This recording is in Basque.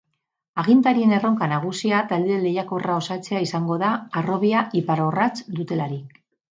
Agintarien erronka nagusia talde lehiakorra osatzea izango da harrobia ipar-orratz dutelarik.